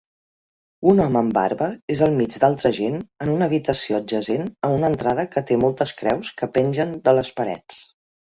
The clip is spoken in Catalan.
Un home amb barba és al mig d'altra gent en una habitació adjacent a una entrada que té moltes creus que pengen de les parets